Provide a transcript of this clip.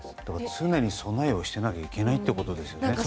常に備えておかないといけないということですね。